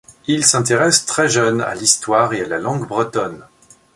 Il s’intéresse très jeune à l’histoire et à la langue bretonnes.